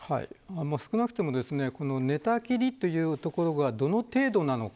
少なくとも、寝たきりというのがどの程度なのか。